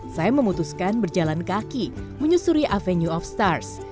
saya memutuskan berjalan kaki menyusuri avenue of stars